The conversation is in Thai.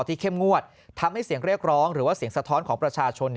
เข้มงวดทำให้เสียงเรียกร้องหรือว่าเสียงสะท้อนของประชาชน